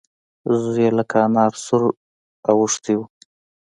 زوی يې لکه انار سور واوښتی و.